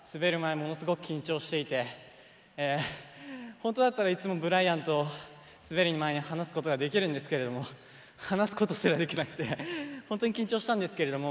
本当だったらいつもブライアンと滑る前話すことができるんですけれども話すことすらできなくて本当に緊張したんですけれども。